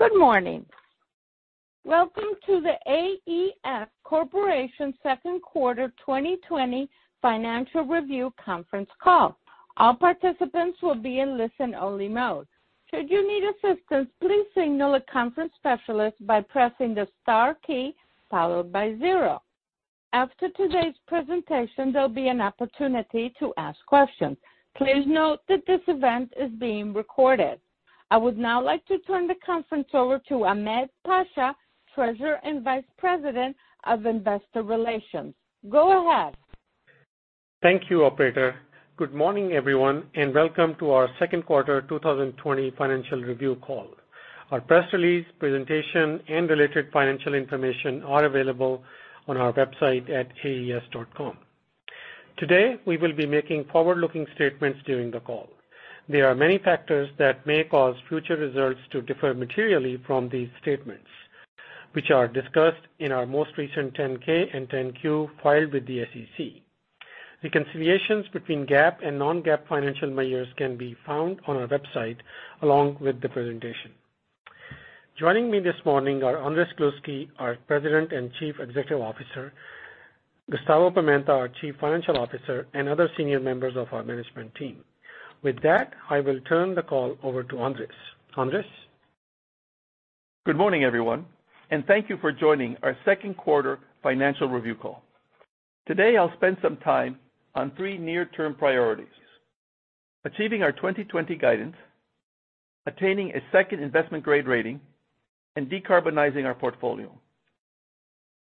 Good morning. Welcome to the AES Corporation Second Quarter 2020 Financial Review Conference Call. All participants will be in listen-only mode. Should you need assistance, please signal a conference specialist by pressing the star key followed by zero. After today's presentation, there'll be an opportunity to ask questions. Please note that this event is being recorded. I would now like to turn the conference over to Ahmed Pasha, Treasurer and Vice President of Investor Relations. Go ahead. Thank you, Operator. Good morning, everyone, and welcome to our Second Quarter 2020 Financial Review Call. Our press release, presentation, and related financial information are available on our website at aes.com. Today, we will be making forward-looking statements during the call. There are many factors that may cause future results to differ materially from these statements, which are discussed in our most recent 10-K and 10-Q filed with the SEC. Reconciliations between GAAP and non-GAAP financial measures can be found on our website along with the presentation. Joining me this morning are Andrés Gluski, our President and Chief Executive Officer, Gustavo Pimenta, our Chief Financial Officer, and other senior members of our management team. With that, I will turn the call over to Andrés. Andrés? Good morning, everyone, and thank you for joining our Second Quarter Financial Review Call. Today, I'll spend some time on three near-term priorities: achieving our 2020 guidance, attaining a second investment-grade rating, and decarbonizing our portfolio.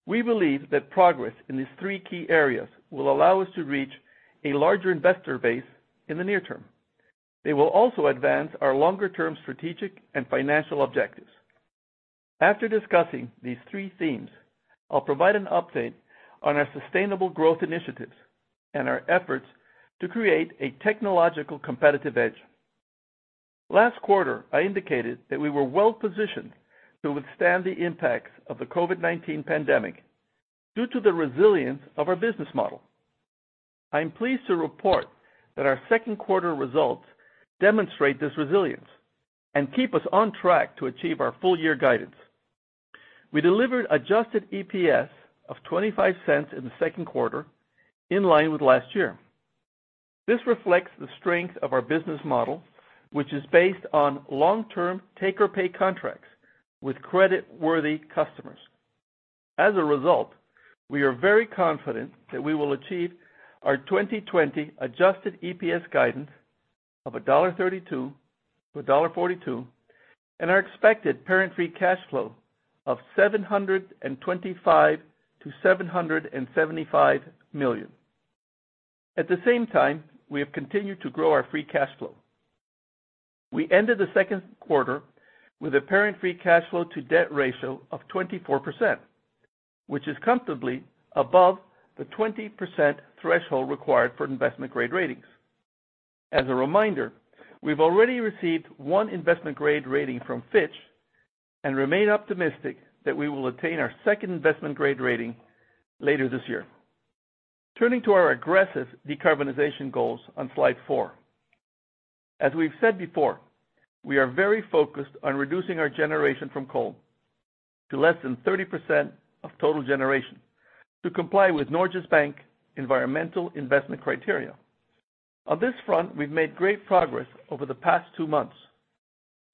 We believe that progress in these three key areas will allow us to reach a larger investor base in the near term. They will also advance our longer-term strategic and financial objectives. After discussing these three themes, I'll provide an update on our sustainable growth initiatives and our efforts to create a technological competitive edge. Last quarter, I indicated that we were well-positioned to withstand the impacts of the COVID-19 pandemic due to the resilience of our business model. I'm pleased to report that our second quarter results demonstrate this resilience and keep us on track to achieve our full-year guidance. We delivered adjusted EPS of 25 cents in the second quarter, in line with last year. This reflects the strength of our business model, which is based on long-term take-or-pay contracts with credit-worthy customers. As a result, we are very confident that we will achieve our 2020 adjusted EPS guidance of $1.32-$1.42 and our expected parent-free cash flow of $725 million-$775 million. At the same time, we have continued to grow our free cash flow. We ended the second quarter with a parent-free cash flow-to-debt ratio of 24%, which is comfortably above the 20% threshold required for investment-grade ratings. As a reminder, we've already received one investment-grade rating from Fitch and remain optimistic that we will attain our second investment-grade rating later this year. Turning to our aggressive decarbonization goals on slide four. As we've said before, we are very focused on reducing our generation from coal to less than 30% of total generation to comply with Norges Bank environmental investment criteria. On this front, we've made great progress over the past two months,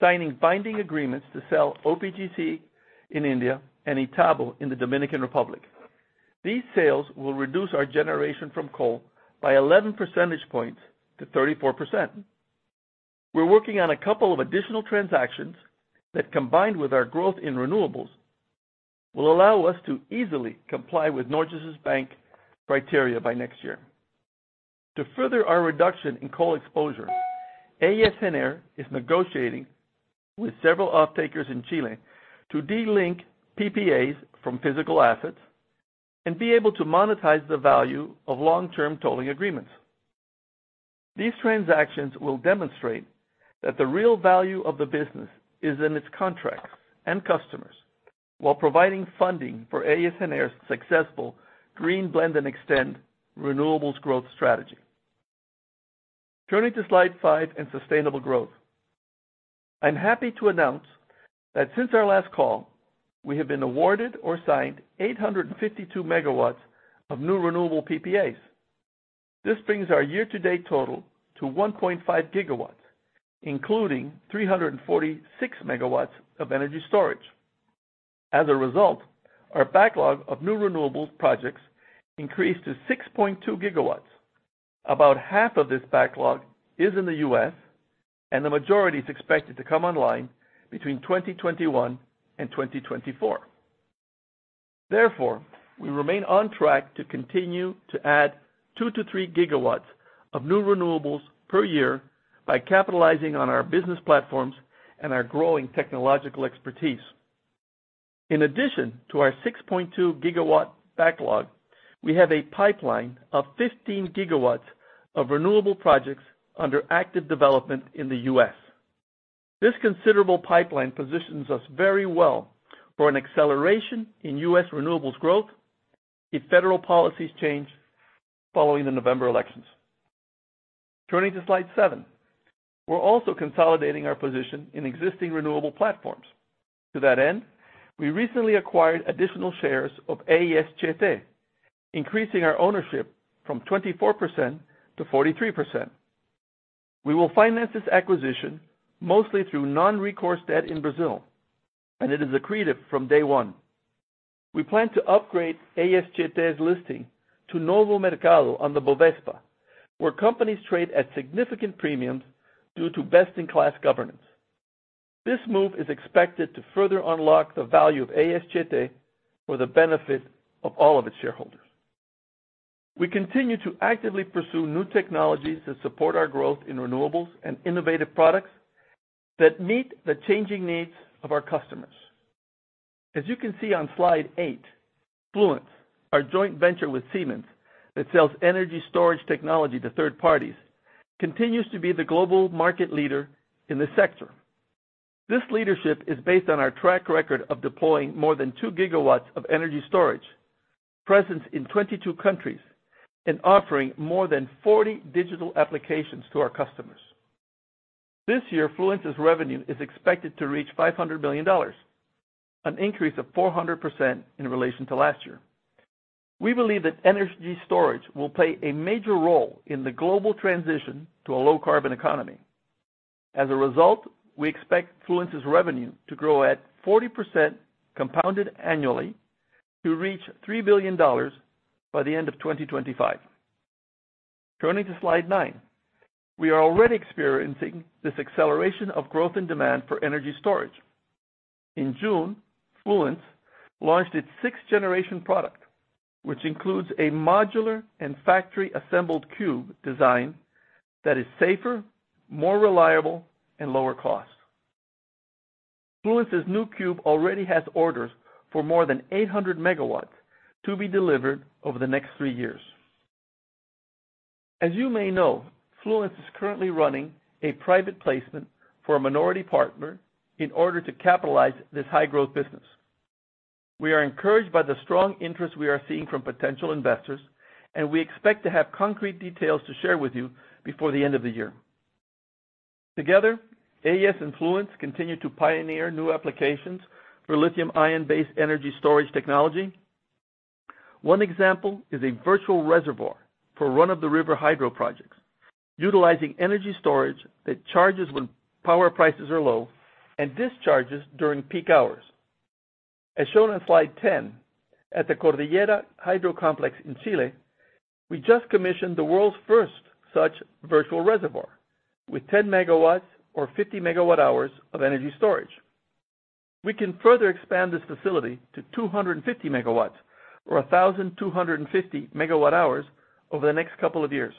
signing binding agreements to sell OPGC in India and Itabo in the Dominican Republic. These sales will reduce our generation from coal by 11 percentage points to 34%. We're working on a couple of additional transactions that, combined with our growth in renewables, will allow us to easily comply with Norges Bank criteria by next year. To further our reduction in coal exposure, AES Gener is negotiating with several off-takers in Chile to delink PPAs from physical assets and be able to monetize the value of long-term tolling agreements. These transactions will demonstrate that the real value of the business is in its contracts and customers while providing funding for AES Gener's successful Green Blend and Extend renewables growth strategy. Turning to slide five and sustainable growth, I'm happy to announce that since our last call, we have been awarded or signed 852 MW of new renewable PPAs. This brings our year-to-date total to 1.5 GW, including 346 MW of energy storage. As a result, our backlog of new renewables projects increased to 6.2 GW. About half of this backlog is in the U.S., and the majority is expected to come online between 2021 and 2024. Therefore, we remain on track to continue to add 2-3 GW of new renewables per year by capitalizing on our business platforms and our growing technological expertise. In addition to our 6.2 GW backlog, we have a pipeline of 15 GW of renewable projects under active development in the U.S. This considerable pipeline positions us very well for an acceleration in U.S. renewables growth if federal policies change following the November elections. Turning to slide seven, we're also consolidating our position in existing renewable platforms. To that end, we recently acquired additional shares of AES Tietê, increasing our ownership from 24%-43%. We will finance this acquisition mostly through non-recourse debt in Brazil, and it is accretive from day one. We plan to upgrade AES Tietê's listing to Novo Mercado on the Bovespa, where companies trade at significant premiums due to best-in-class governance. This move is expected to further unlock the value of AES Tietê for the benefit of all of its shareholders. We continue to actively pursue new technologies to support our growth in renewables and innovative products that meet the changing needs of our customers. As you can see on slide eight, Fluence, our joint venture with Siemens that sells energy storage technology to third parties, continues to be the global market leader in the sector. This leadership is based on our track record of deploying more than 2 GW of energy storage, presence in 22 countries, and offering more than 40 digital applications to our customers. This year, Fluence's revenue is expected to reach $500 million, an increase of 400% in relation to last year. We believe that energy storage will play a major role in the global transition to a low-carbon economy. As a result, we expect Fluence's revenue to grow at 40% compounded annually to reach $3 billion by the end of 2025. Turning to slide nine, we are already experiencing this acceleration of growth in demand for energy storage. In June, Fluence launched its sixth-generation product, which includes a modular and factory-assembled cube design that is safer, more reliable, and lower cost. Fluence's new cube already has orders for more than 800 MW to be delivered over the next three years. As you may know, Fluence is currently running a private placement for a minority partner in order to capitalize this high-growth business. We are encouraged by the strong interest we are seeing from potential investors, and we expect to have concrete details to share with you before the end of the year. Together, AES and Fluence continue to pioneer new applications for lithium-ion-based energy storage technology. One example is a virtual reservoir for run-of-the-river hydro projects, utilizing energy storage that charges when power prices are low and discharges during peak hours. As shown on slide 10, at the Cordillera Hydro Complex in Chile, we just commissioned the world's first such virtual reservoir with 10 MW or 50 MWh of energy storage. We can further expand this facility to 250 MW or 1,250 MWh over the next couple of years.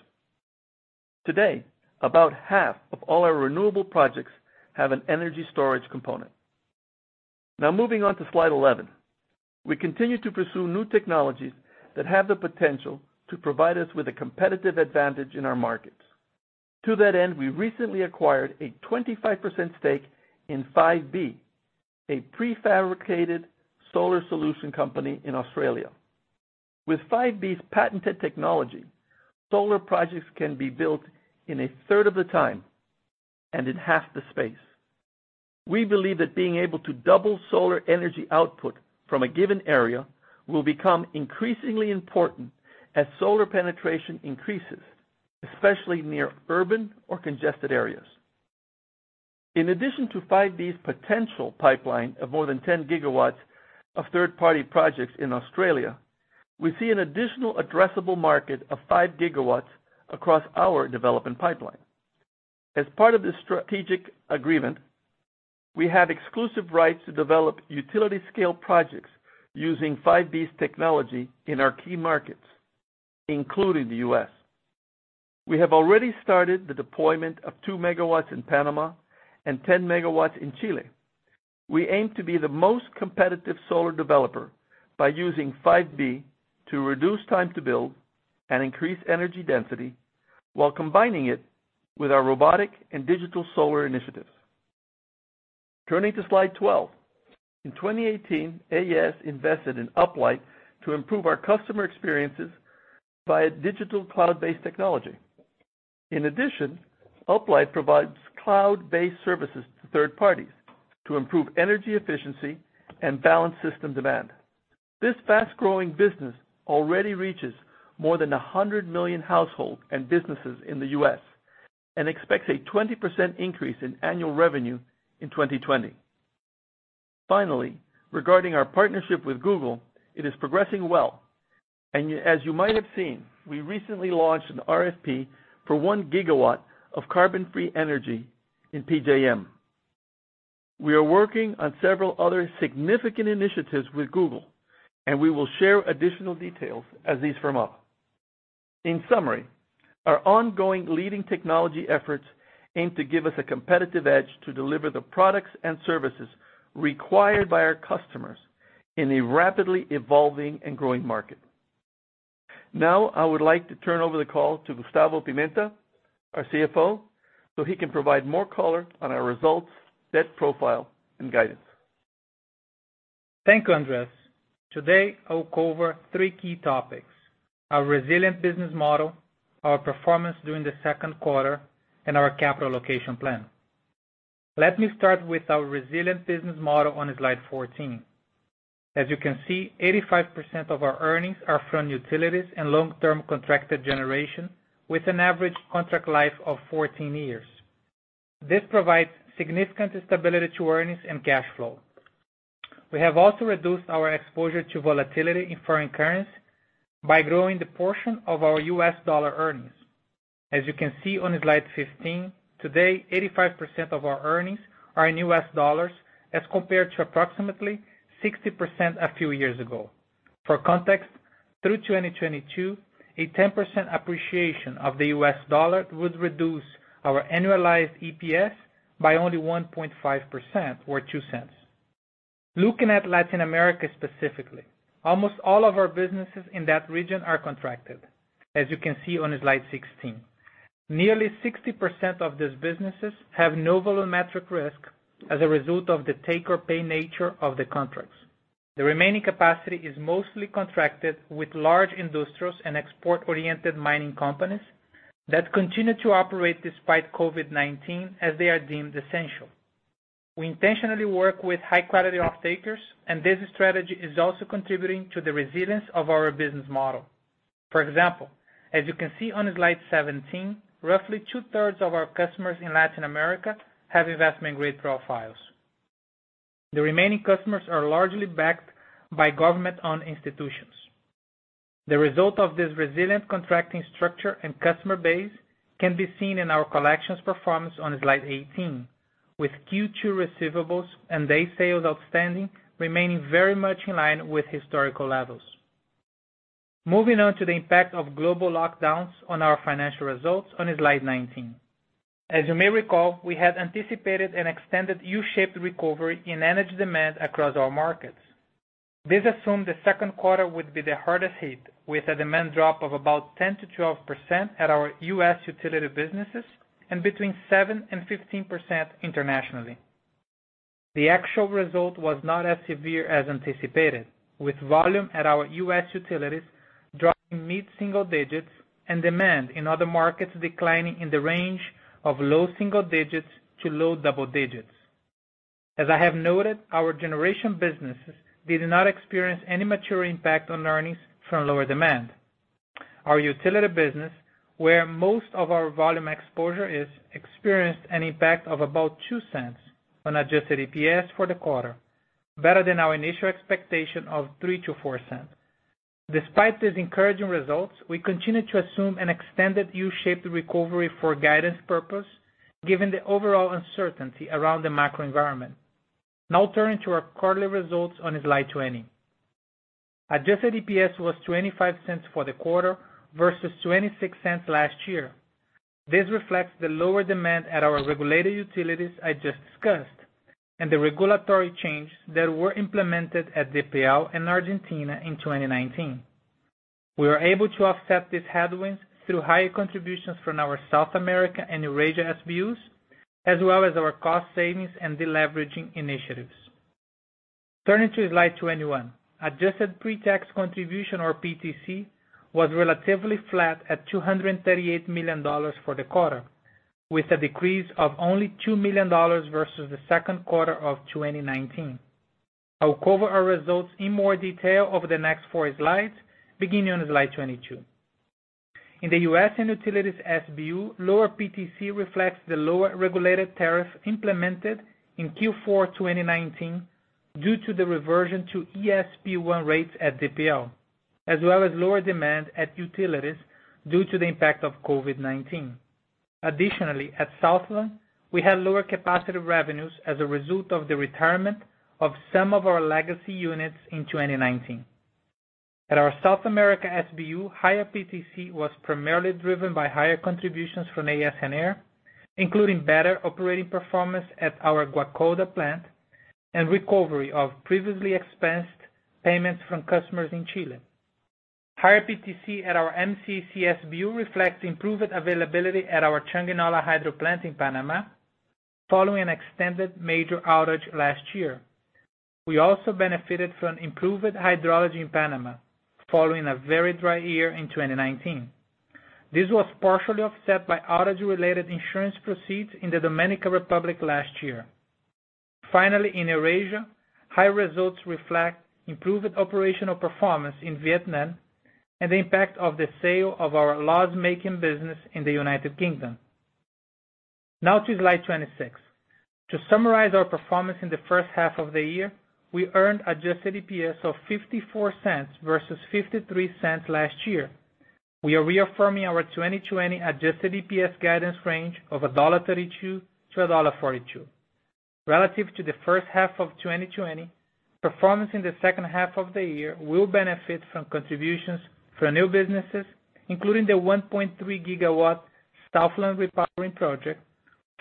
Today, about half of all our renewable projects have an energy storage component. Now, moving on to slide 11, we continue to pursue new technologies that have the potential to provide us with a competitive advantage in our markets. To that end, we recently acquired a 25% stake in 5B, a prefabricated solar solution company in Australia. With 5B's patented technology, solar projects can be built in a third of the time and in half the space. We believe that being able to double solar energy output from a given area will become increasingly important as solar penetration increases, especially near urban or congested areas. In addition to 5B's potential pipeline of more than 10 GW of third-party projects in Australia, we see an additional addressable market of 5 GW across our development pipeline. As part of this strategic agreement, we have exclusive rights to develop utility-scale projects using 5B's technology in our key markets, including the U.S. We have already started the deployment of 2 MW in Panama and 10 MW in Chile. We aim to be the most competitive solar developer by using 5B to reduce time to build and increase energy density while combining it with our robotic and digital solar initiatives. Turning to slide 12, in 2018, AES invested in Uplight to improve our customer experiences via digital cloud-based technology. In addition, Uplight provides cloud-based services to third parties to improve energy efficiency and balance system demand. This fast-growing business already reaches more than 100 million households and businesses in the U.S. and expects a 20% increase in annual revenue in 2020. Finally, regarding our partnership with Google, it is progressing well, and as you might have seen, we recently launched an RFP for one gigawatt of carbon-free energy in PJM. We are working on several other significant initiatives with Google, and we will share additional details as these firm up. In summary, our ongoing leading technology efforts aim to give us a competitive edge to deliver the products and services required by our customers in a rapidly evolving and growing market. Now, I would like to turn over the call to Gustavo Pimenta, our CFO, so he can provide more color on our results, debt profile, and guidance. Thank you, Andrés. Today, I'll cover three key topics: our resilient business model, our performance during the second quarter, and our capital allocation plan. Let me start with our resilient business model on slide 14. As you can see, 85% of our earnings are from utilities and long-term contracted generation with an average contract life of 14 years. This provides significant stability to earnings and cash flow. We have also reduced our exposure to volatility in foreign currency by growing the portion of our U.S. dollar earnings. As you can see on slide 15, today, 85% of our earnings are in U.S. dollars as compared to approximately 60% a few years ago. For context, through 2022, a 10% appreciation of the U.S. dollar would reduce our annualized EPS by only 1.5% or $0.02. Looking at Latin America specifically, almost all of our businesses in that region are contracted, as you can see on slide 16. Nearly 60% of these businesses have no volumetric risk as a result of the take-or-pay nature of the contracts. The remaining capacity is mostly contracted with large industrials and export-oriented mining companies that continue to operate despite COVID-19 as they are deemed essential. We intentionally work with high-quality off-takers, and this strategy is also contributing to the resilience of our business model. For example, as you can see on slide 17, roughly two-thirds of our customers in Latin America have investment-grade profiles. The remaining customers are largely backed by government-owned institutions. The result of this resilient contracting structure and customer base can be seen in our collections performance on slide 18, with Q2 receivables and day sales outstanding remaining very much in line with historical levels. Moving on to the impact of global lockdowns on our financial results on slide 19. As you may recall, we had anticipated an extended U-shaped recovery in energy demand across our markets. This assumed the second quarter would be the hardest hit, with a demand drop of about 10%-12% at our U.S. utility businesses and between 7% and 15% internationally. The actual result was not as severe as anticipated, with volume at our U.S. utilities dropping mid-single digits and demand in other markets declining in the range of low single digits to low double digits. As I have noted, our generation businesses did not experience any material impact on earnings from lower demand. Our utility business, where most of our volume exposure is, experienced an impact of about $0.02 on adjusted EPS for the quarter, better than our initial expectation of $0.03-$0.04. Despite these encouraging results, we continue to assume an extended U-shaped recovery for guidance purposes, given the overall uncertainty around the macro environment. Now, turning to our quarterly results on slide 20. Adjusted EPS was $0.25 for the quarter versus $0.26 last year. This reflects the lower demand at our regulated utilities I just discussed and the regulatory changes that were implemented at DPL in Argentina in 2019. We were able to offset these headwinds through higher contributions from our South America and Eurasia SBUs, as well as our cost savings and deleveraging initiatives. Turning to slide 21, adjusted pre-tax contribution, or PTC, was relatively flat at $238 million for the quarter, with a decrease of only $2 million versus the second quarter of 2019. I'll cover our results in more detail over the next four slides, beginning on slide 22. In the U.S. and utilities SBU, lower PTC reflects the lower regulated tariff implemented in Q4 2019 due to the reversion to ESP1 rates at DPL, as well as lower demand at utilities due to the impact of COVID-19. Additionally, at Southland, we had lower capacity revenues as a result of the retirement of some of our legacy units in 2019. At our South America SBU, higher PTC was primarily driven by higher contributions from AES Gener, including better operating performance at our Guacolda plant and recovery of previously expensed payments from customers in Chile. Higher PTC at our MCC SBU reflects improved availability at our Changuinola Hydro Plant in Panama following an extended major outage last year. We also benefited from improved hydrology in Panama following a very dry year in 2019. This was partially offset by outage-related insurance proceeds in the Dominican Republic last year. Finally, in Eurasia, high results reflect improved operational performance in Vietnam and the impact of the sale of our loss-making business in the United Kingdom. Now, to slide 26. To summarize our performance in the first half of the year, we earned adjusted EPS of $0.54 versus $0.53 last year. We are reaffirming our 2020 adjusted EPS guidance range of $1.32-$1.42. Relative to the first half of 2020, performance in the second half of the year will benefit from contributions from new businesses, including the 1.3 GW Southland Recovery Project,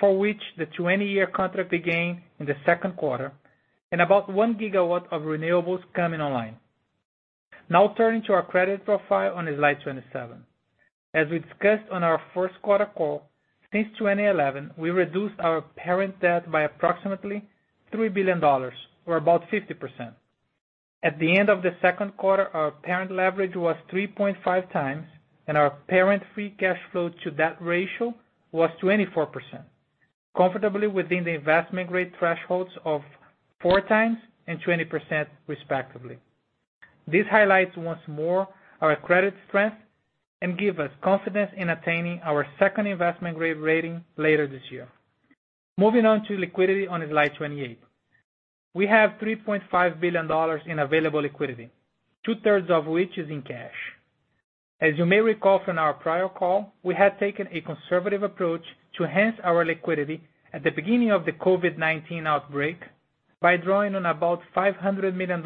for which the 20-year contract began in the second quarter, and about 1 GW of renewables coming online. Now, turning to our credit profile on slide 27. As we discussed on our first quarter call, since 2011, we reduced our parent debt by approximately $3 billion, or about 50%. At the end of the second quarter, our parent leverage was 3.5 times, and our parent-free cash flow-to-debt ratio was 24%, comfortably within the investment-grade thresholds of 4 times and 20%, respectively. This highlights once more our credit strength and gives us confidence in attaining our second investment-grade rating later this year. Moving on to liquidity on slide 28. We have $3.5 billion in available liquidity, two-thirds of which is in cash. As you may recall from our prior call, we had taken a conservative approach to enhance our liquidity at the beginning of the COVID-19 outbreak by drawing on about $500 million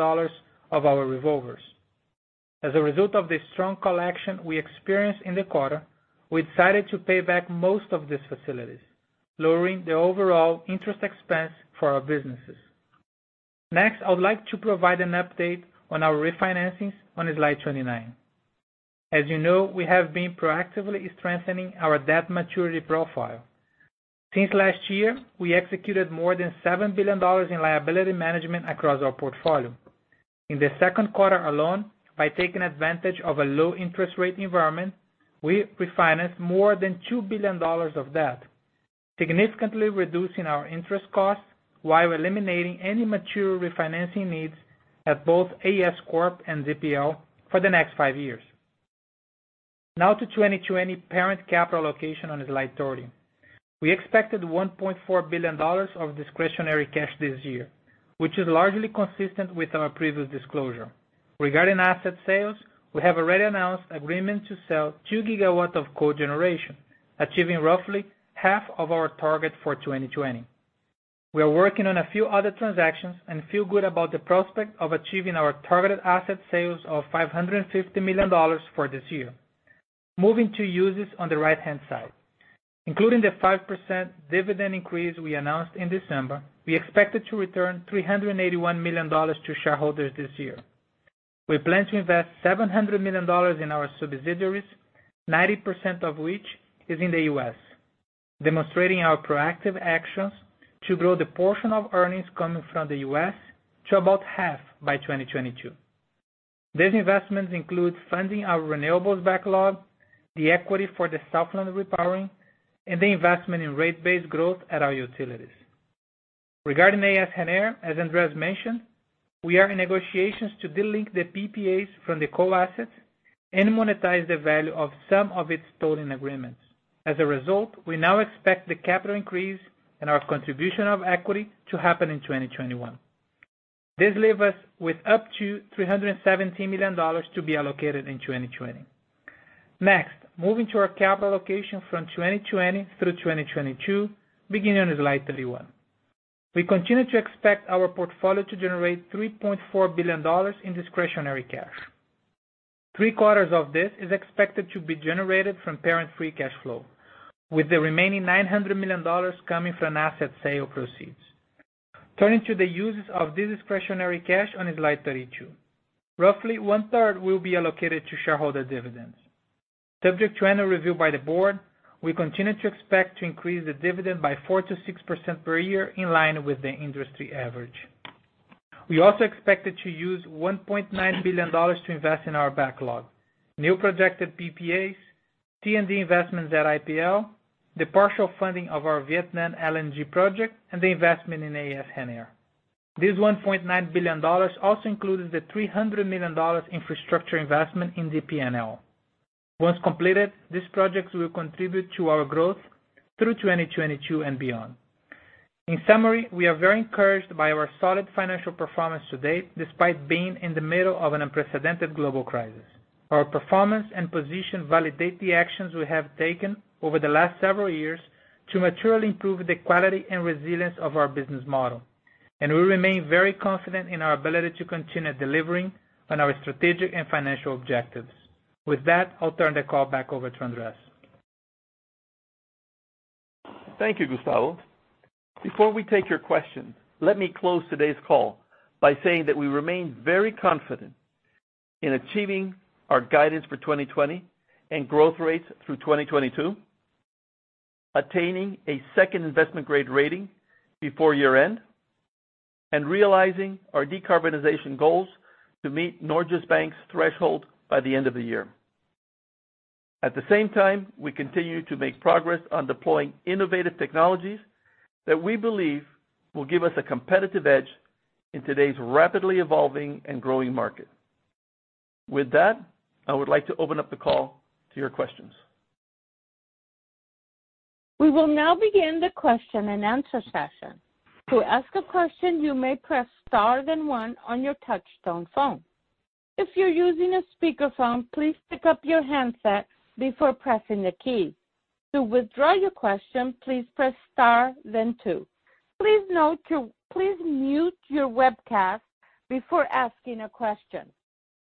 of our revolvers. As a result of the strong collection we experienced in the quarter, we decided to pay back most of these facilities, lowering the overall interest expense for our businesses. Next, I would like to provide an update on our refinancings on slide 29. As you know, we have been proactively strengthening our debt maturity profile. Since last year, we executed more than $7 billion in liability management across our portfolio. In the second quarter alone, by taking advantage of a low interest rate environment, we refinanced more than $2 billion of debt, significantly reducing our interest costs while eliminating any material refinancing needs at both AES Corp. and DPL for the next five years. Now, to 2020 parent capital allocation on slide 30. We expected $1.4 billion of discretionary cash this year, which is largely consistent with our previous disclosure. Regarding asset sales, we have already announced agreement to sell 2 GW of co-generation, achieving roughly half of our target for 2020. We are working on a few other transactions and feel good about the prospect of achieving our targeted asset sales of $550 million for this year. Moving to uses on the right-hand side. Including the 5% dividend increase we announced in December, we expected to return $381 million to shareholders this year. We plan to invest $700 million in our subsidiaries, 90% of which is in the U.S., demonstrating our proactive actions to grow the portion of earnings coming from the U.S. to about half by 2022. These investments include funding our renewables backlog, the equity for the Southland Recovery, and the investment in rate-based growth at our utilities. Regarding AES Gener, as Andrés mentioned, we are in negotiations to delink the PPAs from the coal assets and monetize the value of some of its tolling agreements. As a result, we now expect the capital increase and our contribution of equity to happen in 2021. This leaves us with up to $317 million to be allocated in 2020. Next, moving to our capital allocation from 2020 through 2022, beginning on slide 31. We continue to expect our portfolio to generate $3.4 billion in discretionary cash. Three-quarters of this is expected to be generated from parent-free cash flow, with the remaining $900 million coming from asset sale proceeds. Turning to the uses of this discretionary cash on slide 32. Roughly one-third will be allocated to shareholder dividends. Subject to annual review by the board, we continue to expect to increase the dividend by 4%-6% per year in line with the industry average. We also expected to use $1.9 billion to invest in our backlog: new projected PPAs, T&D investments at IPL, the partial funding of our Vietnam LNG project, and the investment in AES Gener. This $1.9 billion also includes the $300 million infrastructure investment in DP&L. Once completed, these projects will contribute to our growth through 2022 and beyond. In summary, we are very encouraged by our solid financial performance to date, despite being in the middle of an unprecedented global crisis. Our performance and position validate the actions we have taken over the last several years to materially improve the quality and resilience of our business model, and we remain very confident in our ability to continue delivering on our strategic and financial objectives. With that, I'll turn the call back over to Andrés. Thank you, Gustavo. Before we take your questions, let me close today's call by saying that we remain very confident in achieving our guidance for 2020 and growth rates through 2022, attaining a second investment-grade rating before year-end, and realizing our decarbonization goals to meet Norges Bank's threshold by the end of the year. At the same time, we continue to make progress on deploying innovative technologies that we believe will give us a competitive edge in today's rapidly evolving and growing market. With that, I would like to open up the call to your questions. We will now begin the question-and-answer session. To ask a question, you may press star then one on your touch-tone phone. If you're using a speakerphone, please pick up your handset before pressing the key. To withdraw your question, please press star then two. Please note to mute your webcast before asking a question.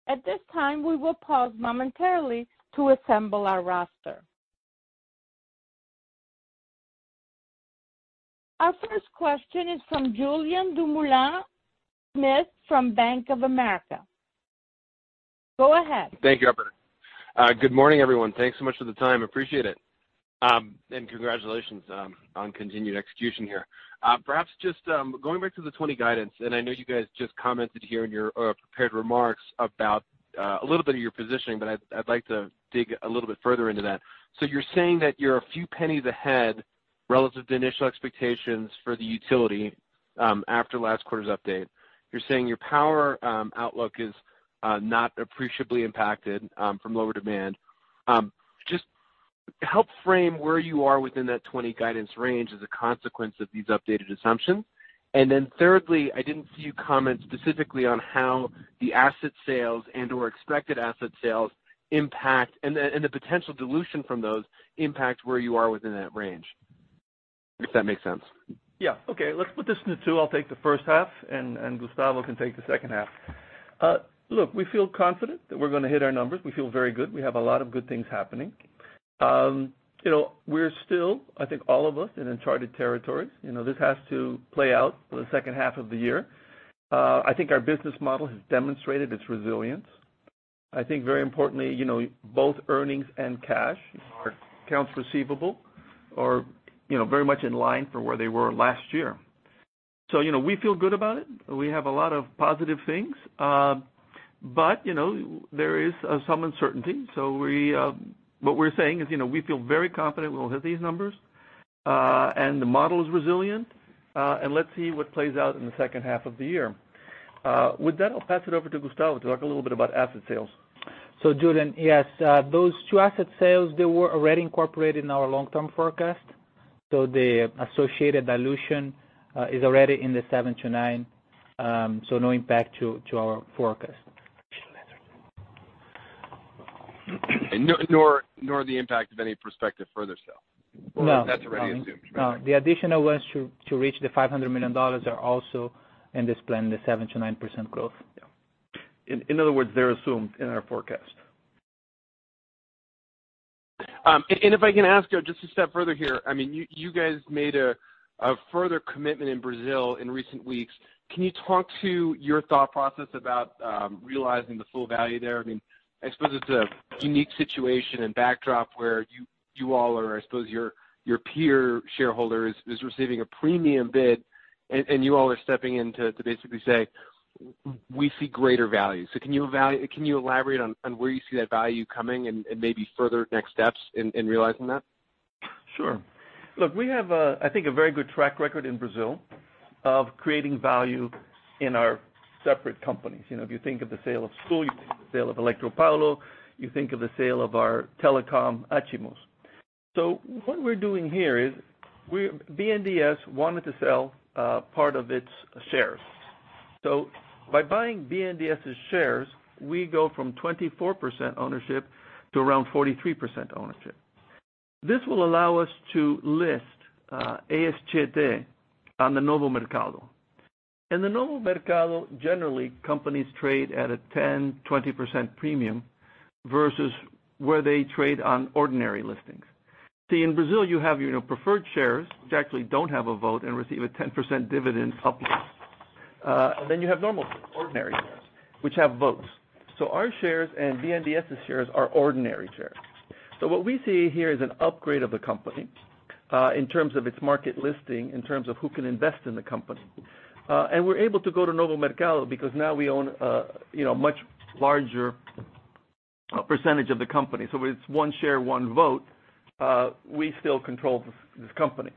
At this time, we will pause momentarily to assemble our roster. Our first question is from Julien Dumoulin-Smith from Bank of America. Go ahead. Thank you, operator. Good morning, everyone. Thanks so much for the time. Appreciate it. And congratulations on continued execution here. Perhaps just going back to the 20 guidance, and I know you guys just commented here in your prepared remarks about a little bit of your positioning, but I'd like to dig a little bit further into that. So you're saying that you're a few pennies ahead relative to initial expectations for the utility after last quarter's update. You're saying your power outlook is not appreciably impacted from lower demand. Just help frame where you are within that 20 guidance range as a consequence of these updated assumptions. And then thirdly, I didn't see you comment specifically on how the asset sales and/or expected asset sales impact and the potential dilution from those impact where you are within that range, if that makes sense. Yeah. Okay. Let's put this into two. I'll take the first half, and Gustavo can take the second half. Look, we feel confident that we're going to hit our numbers. We feel very good. We have a lot of good things happening. We're still, I think all of us, in uncharted territories. This has to play out for the second half of the year. I think our business model has demonstrated its resilience. I think very importantly, both earnings and cash, our accounts receivable, are very much in line for where they were last year. So we feel good about it. We have a lot of positive things, but there is some uncertainty. So what we're saying is we feel very confident we'll hit these numbers, and the model is resilient, and let's see what plays out in the second half of the year. With that, I'll pass it over to Gustavo to talk a little bit about asset sales. Julien, yes, those two asset sales, they were already incorporated in our long-term forecast. So the associated dilution is already in the 7%-9%, so no impact to our forecast. Nor the impact of any prospective further sale. That's already assumed. No. The additional ones to reach the $500 million are also in this plan, the 7%-9% growth. In other words, they're assumed in our forecast. And if I can ask just a step further here, I mean, you guys made a further commitment in Brazil in recent weeks. Can you talk to your thought process about realizing the full value there? I mean, I suppose it's a unique situation and backdrop where you all are. I suppose your peer shareholder is receiving a premium bid, and you all are stepping in to basically say, "We see greater value." So can you elaborate on where you see that value coming and maybe further next steps in realizing that? Sure. Look, we have, I think, a very good track record in Brazil of creating value in our separate companies. If you think of the sale of Suites, you think of the sale of Eletropaulo, you think of the sale of our telecom Atimus. So what we're doing here is BNDES wanted to sell part of its shares. So by buying BNDES's shares, we go from 24% ownership to around 43% ownership. This will allow us to list AES Tietê on the Novo Mercado. In the Novo Mercado, generally, companies trade at a 10%-20% premium versus where they trade on ordinary listings. See, in Brazil, you have your preferred shares which actually don't have a vote and receive a 10% dividend uplift. Then you have normal ordinary shares which have votes. Our shares and BNDES's shares are ordinary shares. What we see here is an upgrade of the company in terms of its market listing, in terms of who can invest in the company. We're able to go to Novo Mercado because now we own a much larger percentage of the company. It's one share, one vote. We still control this company.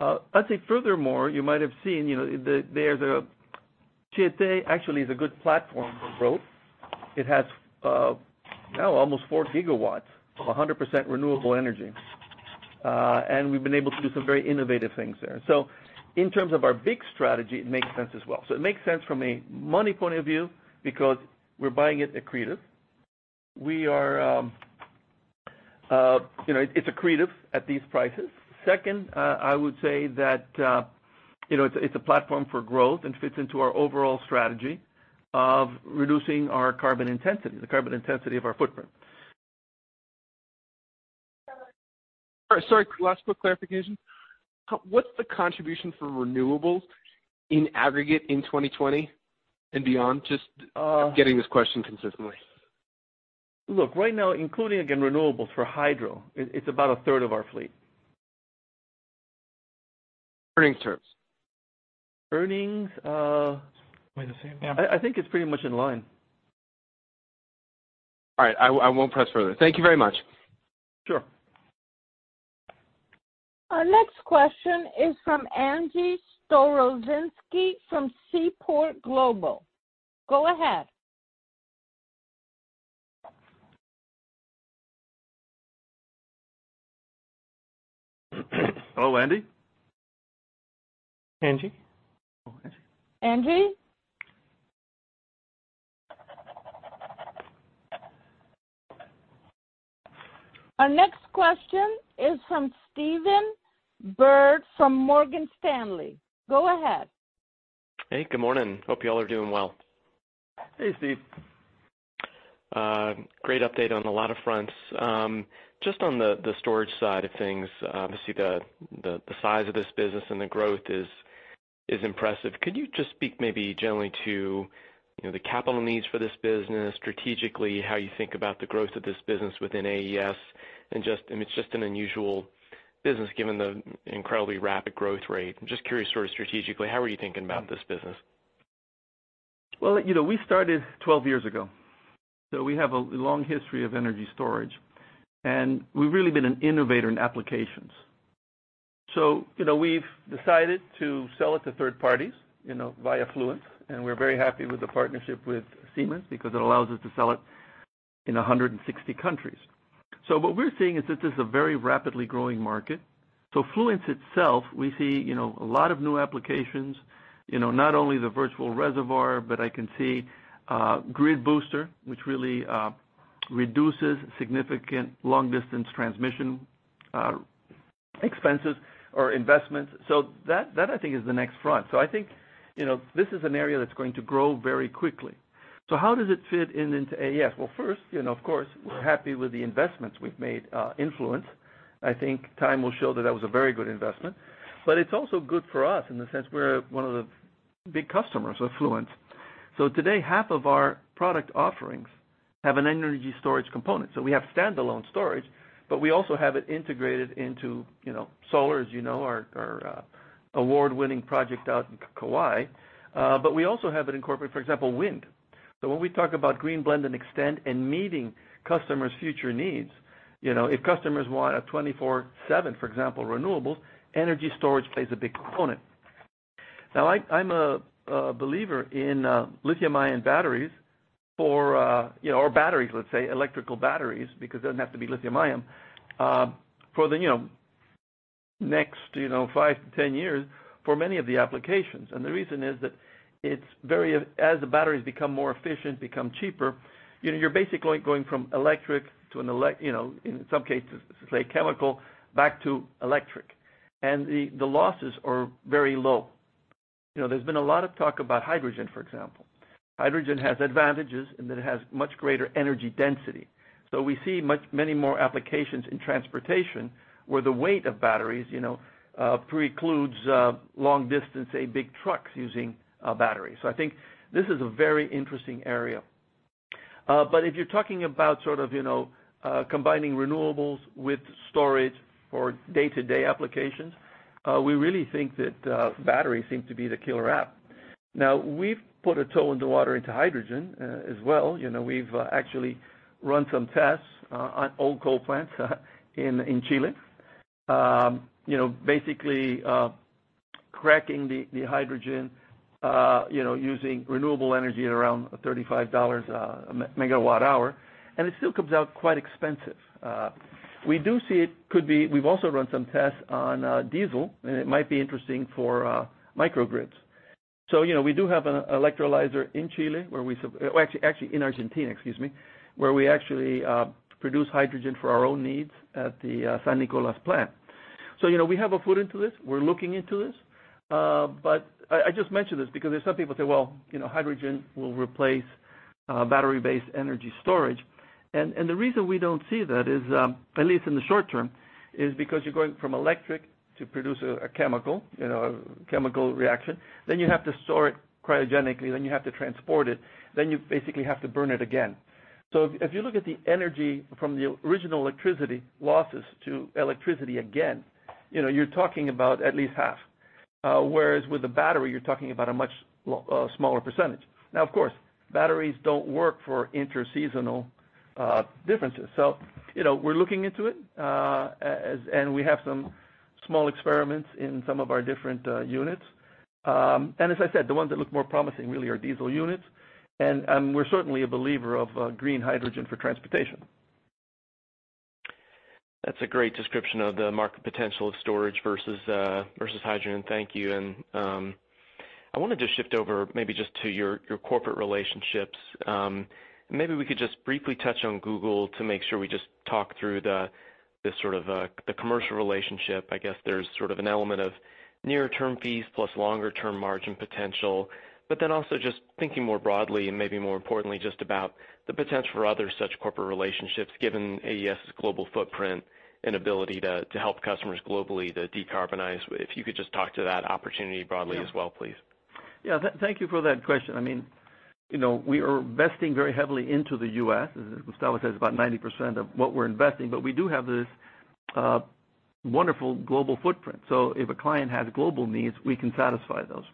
I'd say furthermore, you might have seen there's AES Tietê. Actually, it is a good platform for growth. It has now almost 4 GW of 100% renewable energy, and we've been able to do some very innovative things there. So in terms of our big strategy, it makes sense as well. So it makes sense from a money point of view because we're buying it accretive. It's accretive at these prices. Second, I would say that it's a platform for growth and fits into our overall strategy of reducing our carbon intensity, the carbon intensity of our footprint. Sorry, last quick clarification. What's the contribution for renewables in aggregate in 2020 and beyond? Just getting this question consistently. Look, right now, including again renewables for hydro, it's about a third of our fleet. Earnings terms. Earnings. Wait a second. Yeah. I think it's pretty much in line. All right. I won't press further. Thank you very much. Sure. Our next question is from Angie Storozynski from Seaport Global. Go ahead. Hello, Angie? Our next question is from Stephen Byrd from Morgan Stanley. Go ahead. Hey, good morning. Hope you all are doing well. Hey, Steve. Great update on a lot of fronts. Just on the storage side of things, obviously the size of this business and the growth is impressive. Could you just speak maybe generally to the capital needs for this business, strategically, how you think about the growth of this business within AES? And it's just an unusual business given the incredibly rapid growth rate. I'm just curious sort of strategically, how are you thinking about this business? Well, we started 12 years ago. So we have a long history of energy storage, and we've really been an innovator in applications. So we've decided to sell it to third parties via Fluence, and we're very happy with the partnership with Siemens because it allows us to sell it in 160 countries. So what we're seeing is this is a very rapidly growing market. So Fluence itself, we see a lot of new applications, not only the virtual reservoir, but I can see Grid Booster, which really reduces significant long-distance transmission expenses or investments. So that, I think, is the next front. So I think this is an area that's going to grow very quickly. So how does it fit into AES? Well, first, of course, we're happy with the investments we've made in Fluence. I think time will show that that was a very good investment. But it's also good for us in the sense we're one of the big customers of Fluence. So today, half of our product offerings have an energy storage component. So we have standalone storage, but we also have it integrated into solar, as you know, our award-winning project out in Kauai. But we also have it incorporated, for example, wind. So when we talk about Green Blend and Extend and meeting customers' future needs, if customers want a 24/7, for example, renewables, energy storage plays a big component. Now, I'm a believer in lithium-ion batteries or batteries, let's say, electrical batteries, because it doesn't have to be lithium-ion, for the next five to 10 years for many of the applications. And the reason is that as the batteries become more efficient, become cheaper, you're basically going from electric to, in some cases, say, chemical, back to electric. And the losses are very low. There's been a lot of talk about hydrogen, for example. Hydrogen has advantages in that it has much greater energy density. So we see many more applications in transportation where the weight of batteries precludes long-distance, say, big trucks using batteries. So I think this is a very interesting area. But if you're talking about sort of combining renewables with storage for day-to-day applications, we really think that batteries seem to be the killer app. Now, we've put a toe in the water into hydrogen as well. We've actually run some tests on old coal plants in Chile, basically cracking the hydrogen using renewable energy at around $35 MWh. And it still comes out quite expensive. We do see it could be. We've also run some tests on diesel, and it might be interesting for microgrids. So we do have an electrolyzer in Chile where we actually in Argentina, excuse me, where we actually produce hydrogen for our own needs at the San Nicolás plant. So we have a foot into this. We're looking into this. But I just mentioned this because there's some people say, "Well, hydrogen will replace battery-based energy storage." And the reason we don't see that, at least in the short term, is because you're going from electric to produce a chemical reaction. Then you have to store it cryogenically. Then you have to transport it. Then you basically have to burn it again. So if you look at the energy from the original electricity losses to electricity again, you're talking about at least half. Whereas with a battery, you're talking about a much smaller percentage. Now, of course, batteries don't work for interseasonal differences. So we're looking into it, and we have some small experiments in some of our different units. And as I said, the ones that look more promising really are diesel units. And we're certainly a believer of green hydrogen for transportation. That's a great description of the market potential of storage versus hydrogen. Thank you. And I want to just shift over maybe just to your corporate relationships. Maybe we could just briefly touch on Google to make sure we just talk through this sort of the commercial relationship. I guess there's sort of an element of near-term fees plus longer-term margin potential. But then also just thinking more broadly and maybe more importantly just about the potential for other such corporate relationships given AES's global footprint and ability to help customers globally to decarbonize. If you could just talk to that opportunity broadly as well, please. Yeah. Thank you for that question. I mean, we are investing very heavily into the U.S. As Gustavo says, about 90% of what we're investing. But we do have this wonderful global footprint. So if a client has global needs, we can satisfy those.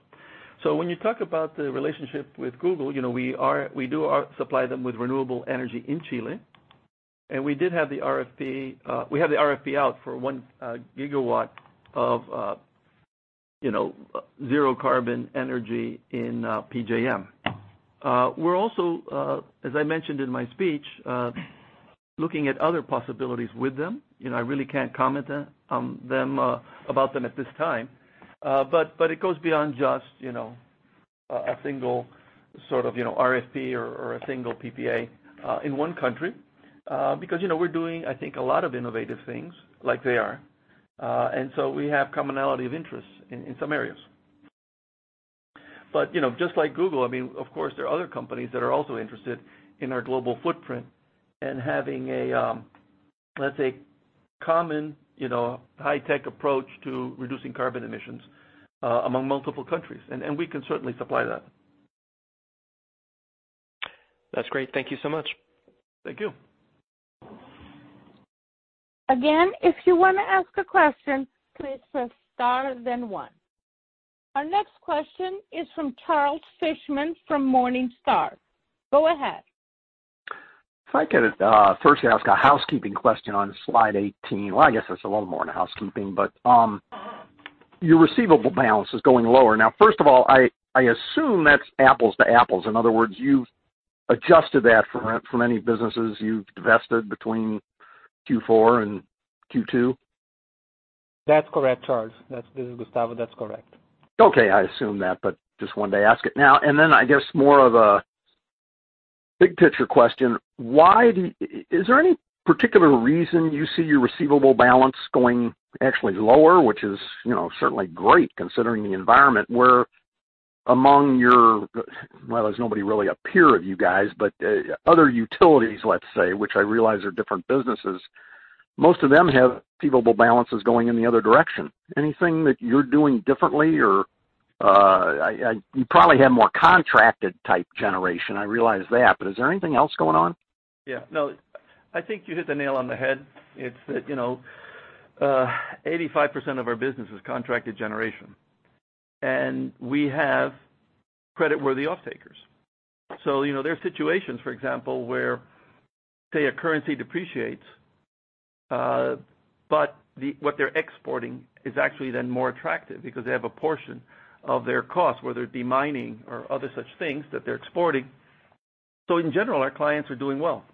So when you talk about the relationship with Google, we do supply them with renewable energy in Chile. And we did have the RFP. We have the RFP out for one gigawatt of zero-carbon energy in PJM. We're also, as I mentioned in my speech, looking at other possibilities with them. I really can't comment on them at this time. But it goes beyond just a single sort of RFP or a single PPA in one country because we're doing, I think, a lot of innovative things like they are. And so we have commonality of interest in some areas. But just like Google, I mean, of course, there are other companies that are also interested in our global footprint and having a, let's say, common high-tech approach to reducing carbon emissions among multiple countries. And we can certainly supply that. That's great. Thank you so much. Thank you. Again, if you want to ask a question, please press star then one. Our next question is from Charles Fishman from Morningstar. Go ahead. If I could first ask a housekeeping question on slide 18. Well, I guess it's a little more than housekeeping, but your receivables balance is going lower. Now, first of all, I assume that's apples to apples. In other words, you've adjusted that for many businesses you've divested between Q4 and Q2? That's correct, Charles. This is Gustavo. That's correct. Okay. I assume that, but just wanted to ask it now. And then I guess more of a big-picture question. Is there any particular reason you see your receivable balance going actually lower, which is certainly great considering the environment where among your peers, well, there's nobody really a peer of you guys, but other utilities, let's say, which I realize are different businesses, most of them have receivable balances going in the other direction. Anything that you're doing differently or you probably have more contracted-type generation? I realize that. But is there anything else going on? Yeah. No, I think you hit the nail on the head. It's that 85% of our business is contracted generation. And we have credit-worthy off-takers. So there are situations, for example, where, say, a currency depreciates, but what they're exporting is actually then more attractive because they have a portion of their cost, whether it be mining or other such things that they're exporting. So in general, our clients are doing well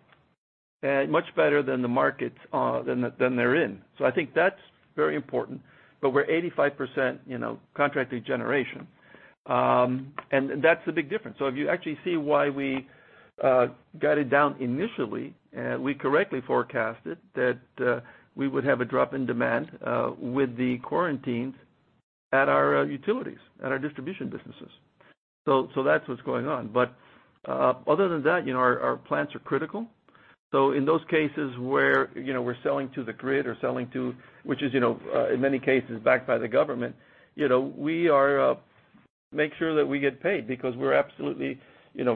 and much better than the markets they're in. So I think that's very important. But we're 85% contracted generation. And that's the big difference. So if you actually see why we got it down initially, we correctly forecasted that we would have a drop in demand with the quarantines at our utilities, at our distribution businesses. So that's what's going on. But other than that, our plants are critical. So in those cases where we're selling to the grid or selling to, which is in many cases backed by the government, we make sure that we get paid because we're absolutely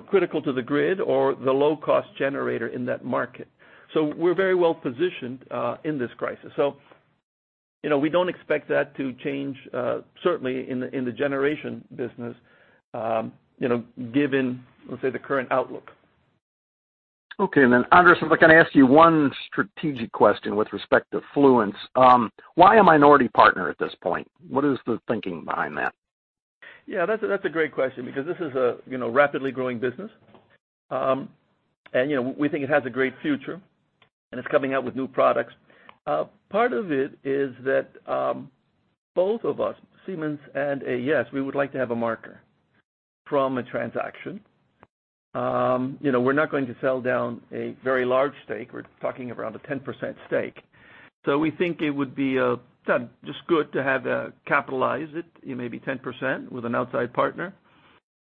critical to the grid or the low-cost generator in that market. So we're very well positioned in this crisis. So we don't expect that to change, certainly, in the generation business given, let's say, the current outlook. Okay. And then, Andrés, I'm going to ask you one strategic question with respect to Fluence. Why a minority partner at this point? What is the thinking behind that? Yeah. That's a great question because this is a rapidly growing business. And we think it has a great future, and it's coming out with new products. Part of it is that both of us, Siemens and AES, we would like to have a marker from a transaction. We're not going to sell down a very large stake. We're talking around a 10% stake. So we think it would be just good to have capitalized it, maybe 10% with an outside partner.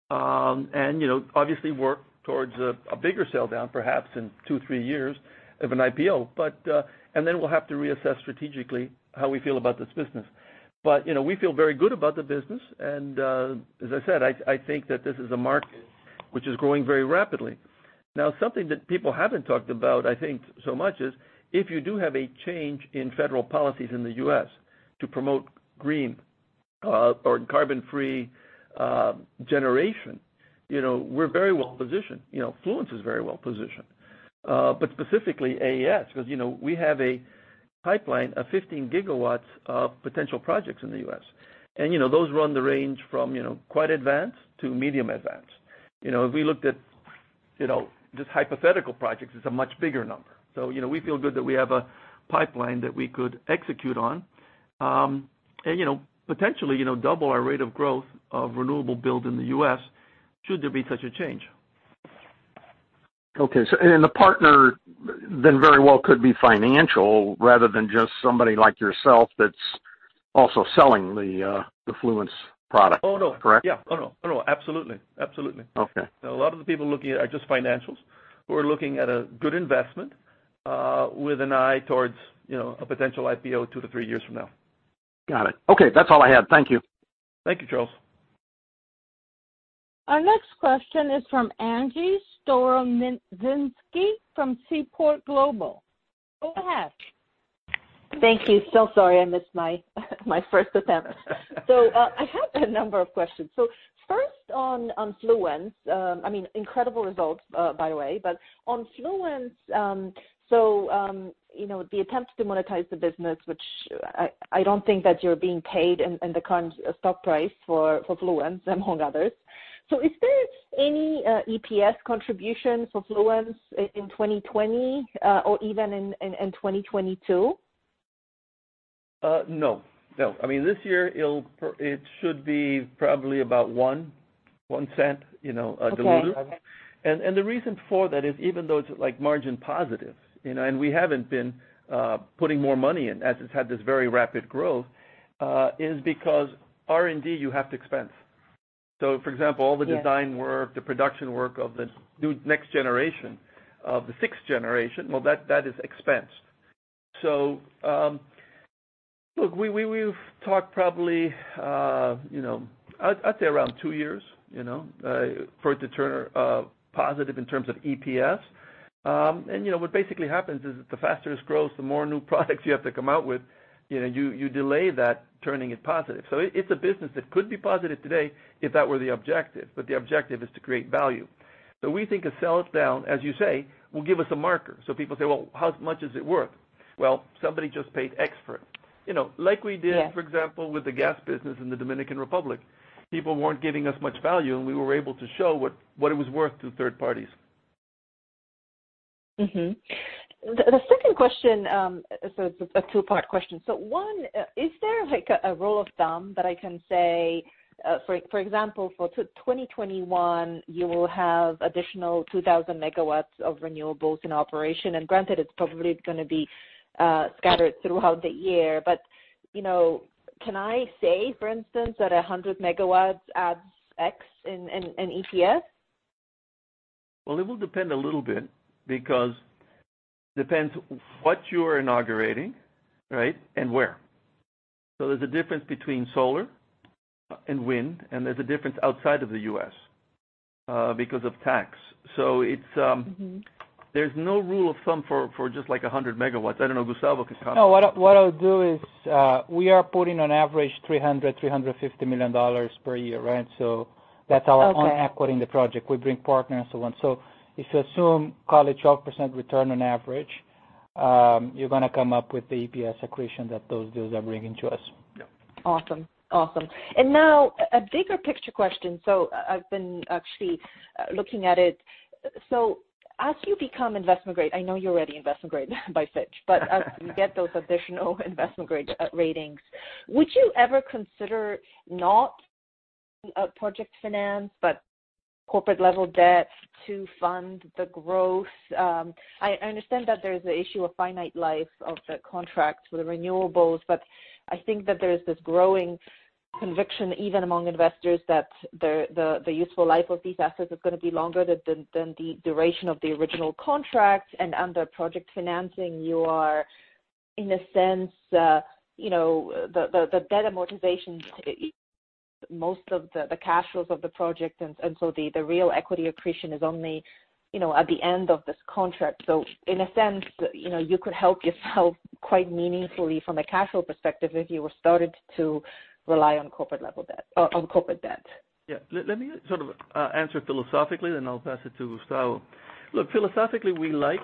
And obviously, work towards a bigger sell down, perhaps in two, three years of an IPO. And then we'll have to reassess strategically how we feel about this business. But we feel very good about the business. As I said, I think that this is a market which is growing very rapidly. Now, something that people haven't talked about, I think, so much is if you do have a change in federal policies in the U.S. to promote green or carbon-free generation, we're very well positioned. Fluence is very well positioned. But specifically AES, because we have a pipeline of 15 GW of potential projects in the U.S. And those run the range from quite advanced to medium advanced. If we looked at just hypothetical projects, it's a much bigger number. So we feel good that we have a pipeline that we could execute on and potentially double our rate of growth of renewable build in the U.S. should there be such a change. Okay. And the partner then very well could be financial rather than just somebody like yourself that's also selling the Fluence product. Correct? Oh, no. Yeah. Oh, no. Oh, no. Absolutely. Absolutely. A lot of the people looking at are just financials. We're looking at a good investment with an eye towards a potential IPO two to three years from now. Got it. Okay. That's all I had. Thank you. Thank you, Charles. Our next question is from Angie Storozynski from Seaport Global. Go ahead. Thank you. So sorry. I missed my first attempt. So I have a number of questions. So first on Fluence, I mean, incredible results, by the way. But on Fluence, so the attempt to monetize the business, which I don't think that you're being paid in the current stock price for Fluence, among others. So is there any EPS contribution for Fluence in 2020 or even in 2022? No. No. I mean, this year, it should be probably about $0.01 delivered. And the reason for that is even though it's margin positive, and we haven't been putting more money in as it's had this very rapid growth, is because R&D, you have to expense. So for example, all the design work, the production work of the next-generation, of the sixth-generation, well, that is expense. So look, we've talked probably, I'd say around two years for it to turn positive in terms of EPS. And what basically happens is the faster it grows, the more new products you have to come out with, you delay that turning it positive. So it's a business that could be positive today if that were the objective. But the objective is to create value. So we think a sell-down, as you say, will give us a marker. So people say, "Well, how much is it worth?" Well, somebody just paid X for it. Like we did, for example, with the gas business in the Dominican Republic. People weren't giving us much value, and we were able to show what it was worth to third parties. The second question, so it's a two-part question. So one, is there a rule of thumb that I can say, for example, for 2021, you will have additional 2,000 MW of renewables in operation. And granted, it's probably going to be scattered throughout the year. But can I say, for instance, that 100 MW adds X in EPS? Well, it will depend a little bit because it depends what you're inaugurating, right, and where. So there's a difference between solar and wind, and there's a difference outside of the U.S. because of tax. So there's no rule of thumb for just like 100 MW. I don't know. Gustavo can comment. No, what I'll do is we are putting on average $300-$350 million per year, right? So that's our own equity in the project. We bring partners and so on. So if you assume call it 12% return on average, you're going to come up with the EPS accretion that those deals are bringing to us. Awesome. Awesome. And now a bigger-picture question. So I've been actually looking at it. So as you become investment-grade (I know you're already investment-grade by Fitch, but as you get those additional investment-grade ratings), would you ever consider not project finance but corporate-level debt to fund the growth? I understand that there is an issue of finite life of the contracts for the renewables, but I think that there is this growing conviction even among investors that the useful life of these assets is going to be longer than the duration of the original contract. Under project financing, you are, in a sense, the debt amortization is most of the cash flows of the project. And so the real equity accretion is only at the end of this contract. So in a sense, you could help yourself quite meaningfully from a cash flow perspective if you were started to rely on corporate-level debt. Yeah. Let me sort of answer philosophically, then I'll pass it to Gustavo. Look, philosophically, we like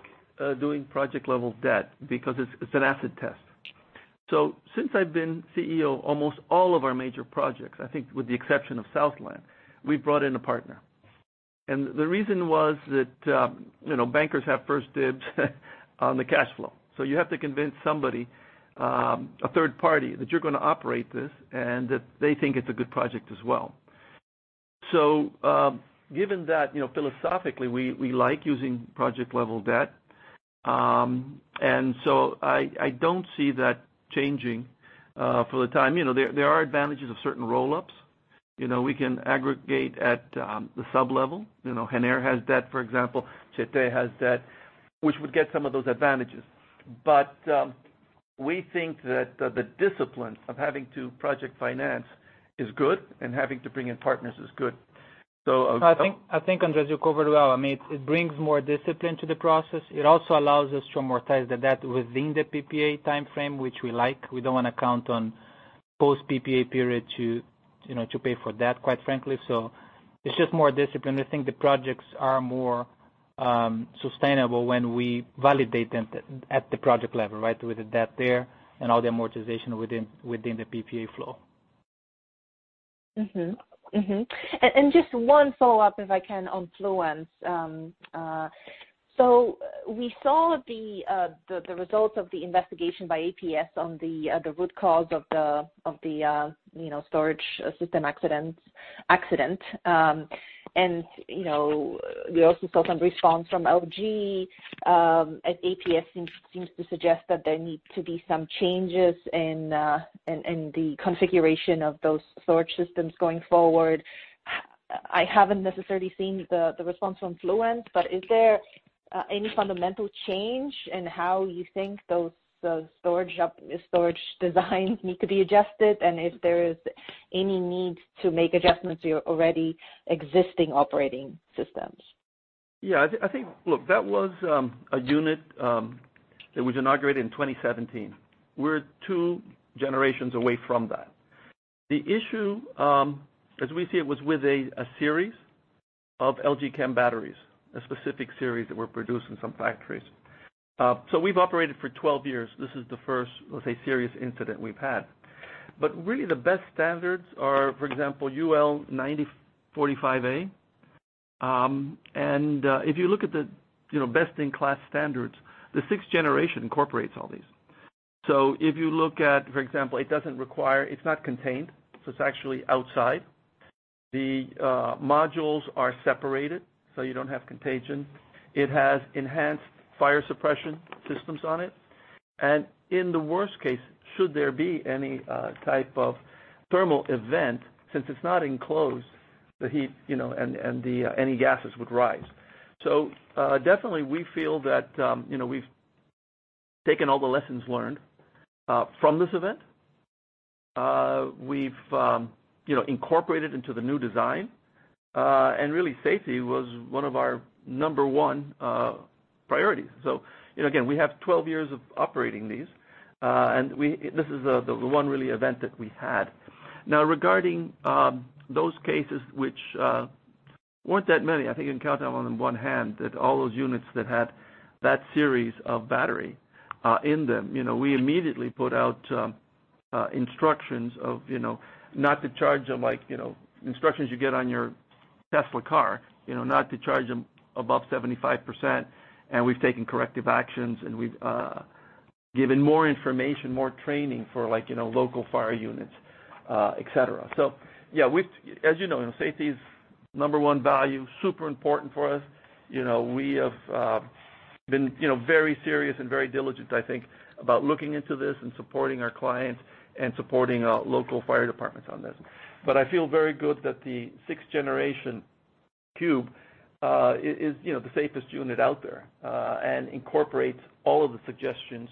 doing project-level debt because it's an asset test. So since I've been CEO of almost all of our major projects, I think with the exception of Southland, we brought in a partner. And the reason was that bankers have first dibs on the cash flow. So you have to convince somebody, a third party, that you're going to operate this and that they think it's a good project as well. So given that, philosophically, we like using project-level debt. And so I don't see that changing for the time. There are advantages of certain roll-ups. We can aggregate at the sublevel. Gener has debt, for example. Tietê has debt, which would get some of those advantages. But we think that the discipline of having to project finance is good, and having to bring in partners is good. So I think, Andrés, you covered well. I mean, it brings more discipline to the process. It also allows us to amortize the debt within the PPA timeframe, which we like. We don't want to count on post-PPA period to pay for debt, quite frankly. So it's just more discipline. We think the projects are more sustainable when we validate them at the project level, right, with the debt there and all the amortization within the PPA flow. And just one follow-up, if I can, on Fluence. So we saw the results of the investigation by APS on the root cause of the storage system accident. And we also saw some response from LG. APS seems to suggest that there need to be some changes in the configuration of those storage systems going forward. I haven't necessarily seen the response from Fluence, but is there any fundamental change in how you think those storage designs need to be adjusted? And if there is any need to make adjustments to your already existing operating systems? Yeah. I think, look, that was a unit that was inaugurated in 2017. We're two generations away from that. The issue, as we see it, was with a series of LG Chem batteries, a specific series that were produced in some factories. So we've operated for 12 years. This is the first, let's say, serious incident we've had. But really, the best standards are, for example, UL 9540A. And if you look at the best-in-class standards, the sixth generation incorporates all these. So if you look at, for example, it doesn't require it's not contained. So it's actually outside. The modules are separated, so you don't have contagion. It has enhanced fire suppression systems on it. And in the worst case, should there be any type of thermal event, since it's not enclosed, the heat and any gases would rise. So definitely, we feel that we've taken all the lessons learned from this event. We've incorporated it into the new design. And really, safety was one of our number one priorities. So again, we have 12 years of operating these. And this is the one really event that we had. Now, regarding those cases, which weren't that many, I think you can count on them on one hand, that all those units that had that series of battery in them, we immediately put out instructions of not to charge them like instructions you get on your Tesla car, not to charge them above 75%. And we've taken corrective actions, and we've given more information, more training for local fire units, etc. So yeah, as you know, safety is number one value, super important for us. We have been very serious and very diligent, I think, about looking into this and supporting our clients and supporting local fire departments on this. But I feel very good that the sixth generation Cube is the safest unit out there and incorporates all of the suggestions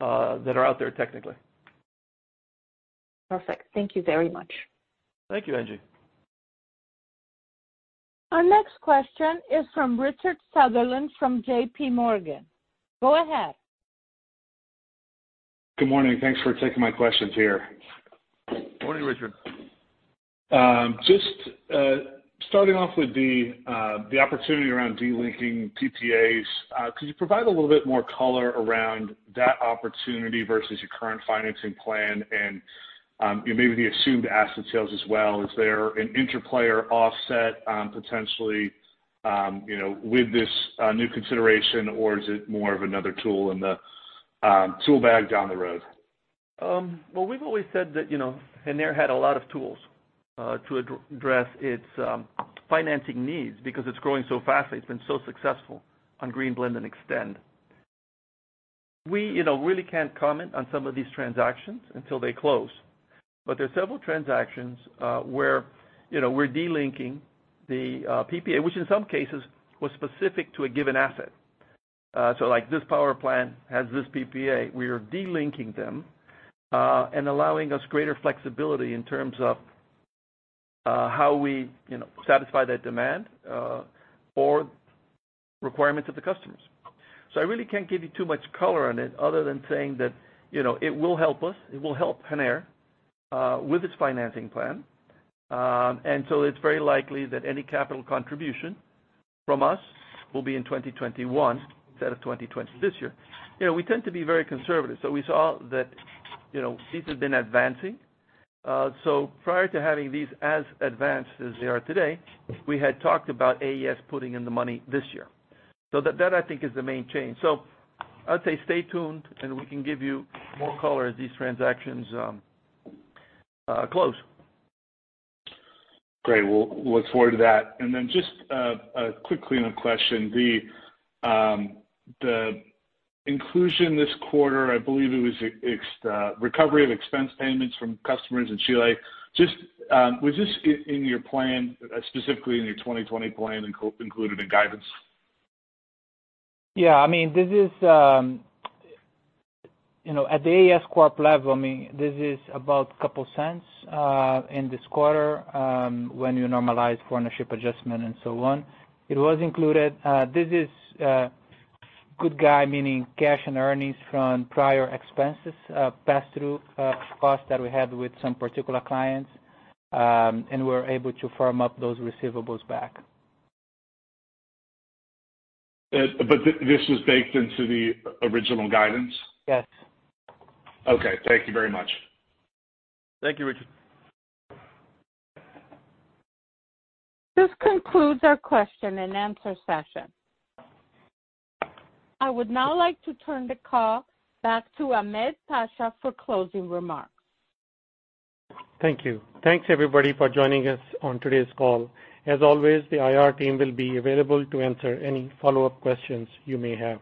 that are out there technically. Perfect. Thank you very much. Thank you, Angie. Our next question is from Richard Sunderland from J.P. Morgan. Go ahead. Good morning. Thanks for taking my questions here. Morning, Richard. Just starting off with the opportunity around delinking PPAs, could you provide a little bit more color around that opportunity versus your current financing plan and maybe the assumed asset sales as well? Is there an interplay or offset potentially with this new consideration, or is it more of another tool in the tool bag down the road? We've always said that Gener had a lot of tools to address its financing needs because it's growing so fast. It's been so successful on Green Blend and Extend. We really can't comment on some of these transactions until they close. But there are several transactions where we're delinking the PPA, which in some cases was specific to a given asset. So this power plant has this PPA. We are delinking them and allowing us greater flexibility in terms of how we satisfy that demand or requirements of the customers. So I really can't give you too much color on it other than saying that it will help us. It will help Gener with its financing plan. And so it's very likely that any capital contribution from us will be in 2021 instead of 2020 this year. We tend to be very conservative. So we saw that these have been advancing. So prior to having these as advanced as they are today, we had talked about AES putting in the money this year. So that, I think, is the main change. So I'd say stay tuned, and we can give you more color as these transactions close. Great. We'll look forward to that. And then just a quick clean-up question. The inclusion this quarter, I believe it was recovery of expense payments from customers in Chile. Was this in your plan, specifically in your 2020 plan, included in guidance? Yeah. I mean, this is at the AES Corp. level. I mean, this is about a couple of cents in this quarter when you normalize ownership adjustment and so on. It was included. This is good GAAP, meaning cash and earnings from prior expenses passed through costs that we had with some particular clients, and we were able to firm up those receivables back. But this was baked into the original guidance? Yes. Okay. Thank you very much. Thank you, Richard. This concludes our question and answer session. I would now like to turn the call back to Ahmed Pasha for closing remarks. Thank you. Thanks, everybody, for joining us on today's call. As always, the IR team will be available to answer any follow-up questions you may have.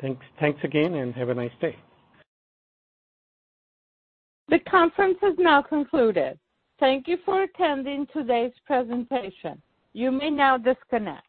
Thanks again, and have a nice day. The conference has now concluded. Thank you for attending today's presentation. You may now disconnect.